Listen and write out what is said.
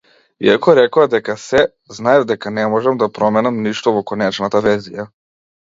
Иако рекоа дека се, знаев дека не можам да променам ништо во конечната верзија.